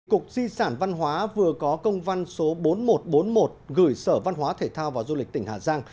cục di sản văn hóa vừa có công văn số bốn nghìn một trăm bốn mươi một gửi sở văn hóa thể thao và du lịch tỉnh hà giang